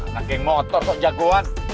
nah geng motor kok jagoan